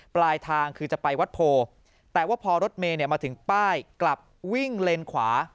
ปลายทางคือจะไปวัดโพแต่ว่าพอรถเมย์มาถึงป้ายกลับวิ่งเลนขวา